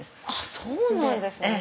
そうなんですね。